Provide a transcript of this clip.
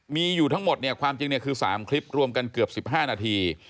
มีอยู่ทั้งหมดเนี่ยความจริงคือ๓คลิปรวมกันเกือบ๑๕นาที